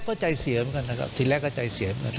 มานอนเลยมานอนทีแรกก็ใจเสียเหมือนกัน